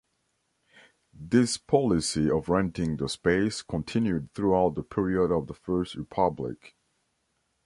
This policy of renting the space continued throughout the period of the First Republic.